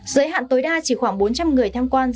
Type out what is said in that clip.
giới hạn tối đa chỉ khoảng bốn trăm linh người